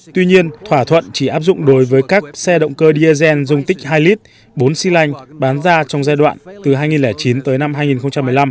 tuy nhiên thỏa thuận chỉ áp dụng đối với các xe động cơ diesel dung tích hai lít bốn xy lanh bán ra trong giai đoạn từ hai nghìn chín tới năm hai nghìn một mươi năm